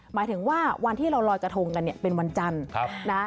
หมายถึงว่าวันที่เราลอยกระทงกันเนี่ยเป็นวันจันทร์